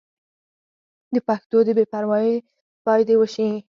د پښتو د بې پروايۍ پای دې وشي.